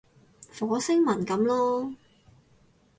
火星文噉囉